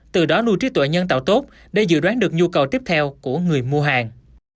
từ đó nuôi trí tuệ nhân tạo tốt để dự đoán được nhu cầu tiếp theo của người mua hàng